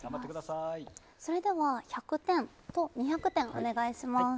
それでは１００点と５００点お願いします。